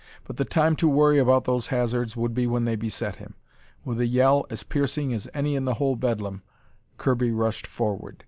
But the time to worry about those hazards would be when they beset him. With a yell as piercing as any in the whole bedlam, Kirby rushed forward.